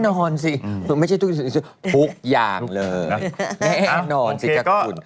แน่นอนสิไม่ใช่ทุกอย่างเลยแน่นอนสิจักรคุณ